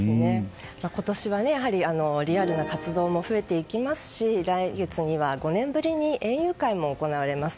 今年はリアルな活動も増えていきますし来月には５年ぶりに園遊会も行われます。